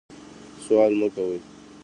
سوال مه کوئ